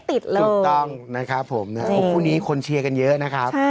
ติดเลยถูกต้องนะครับผมนะครับคู่นี้คนเชียร์กันเยอะนะครับ